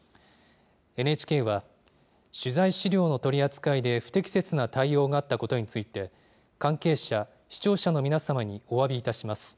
ＮＨＫは取材資料の取り扱いで不適切な対応があったことについて、関係者・視聴者の皆様におわびいたします。